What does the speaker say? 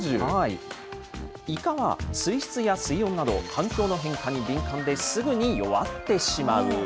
イカは水質や水温など、環境の変化に敏感で、すぐに弱ってしまう。